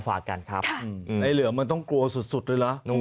คนก็เอามาฝากกันครับไอ้เหลือมันต้องกลัวสุดเลยนะ